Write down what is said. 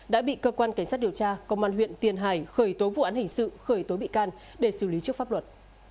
đã bị cơ quan cảnh sát điều tra công an huyện tiền hải khởi tố vụ án hình sự khởi tố bị can để xử lý trước pháp luật